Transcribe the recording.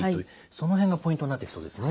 その辺がポイントになってきそうですね。